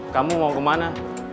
kamu mau kemana